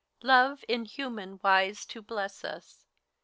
HELENA. Love, in human wise to bless us.